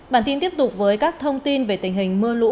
bản tin tiếp tục với các thông tin về tình hình mưa lũ